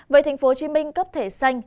vậy tp hcm cấp thẻ xanh